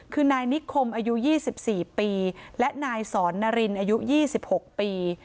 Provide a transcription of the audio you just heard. คือนายนิคคมอายุยี่สิบสี่ปีและนายสอนนรินอายุยี่สิบหกปี